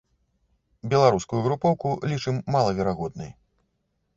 Беларускую групоўку лічым малаверагоднай.